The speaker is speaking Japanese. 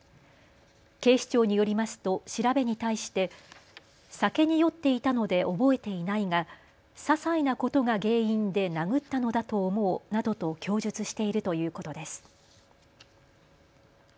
警視庁によりますと調べに対して酒に酔っていたので覚えていないが、ささいなことが原因で殴ったのだと思うなどと供述しているということです。